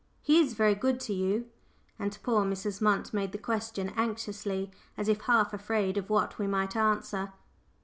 He is very good to you?" and poor Mrs. Munt made the question anxiously, as if half afraid of what we might answer.